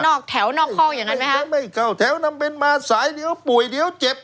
แถวนอกห้องอย่างนั้นไหมฮะยังไม่เข้าแถวนำเป็นมาสายเดี๋ยวป่วยเดี๋ยวเจ็บ